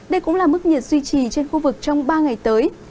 đây cũng là mức nhiệt duy trì trên khu vực trong ba ngày tới